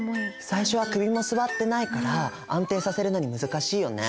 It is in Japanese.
最初は首も据わってないから安定させるのに難しいよね。